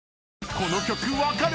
［この曲分かる？］